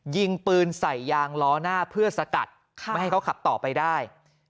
ยิงปืนใส่ยางล้อหน้าเพื่อสกัดไม่ให้เขาขับต่อไปได้